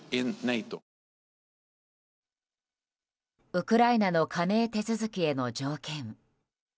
ウクライナの加盟手続きへの条件。